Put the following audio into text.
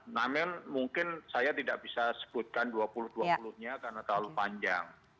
namun mungkin saya tidak bisa sebutkan dua puluh dua puluh nya karena terlalu panjang